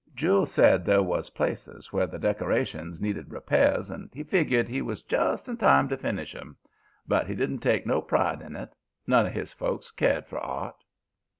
Jule said there was places where the decorations needed repairs, and he figgered he was just in time to finish 'em. But he didn't take no pride in it; none of his folks cared for art.